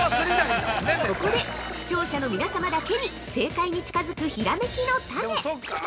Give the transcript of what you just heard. ◆ここで視聴者の皆様だけに正解に近づくひらめきのタネ！